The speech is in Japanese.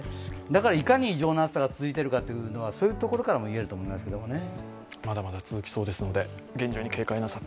だから、いかに異常な暑さが続いているかというのは、そういうところからも言えると思いますけどね。